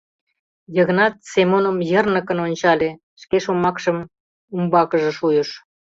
Йыгнат Семоным йырныкын ончале, шке шомакшым умбакыже шуйыш: